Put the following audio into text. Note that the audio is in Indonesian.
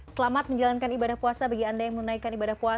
selamat menjalankan ibadah puasa